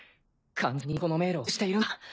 完全にこの迷路を把握しているんだ。